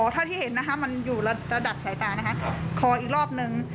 เท่าที่เห็นนะคะมันอยู่ระดับสายตานะคะคออีกรอบนึง